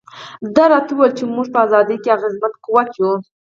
ده راته وویل چې موږ په ازادۍ کې اغېزمن قوت یو.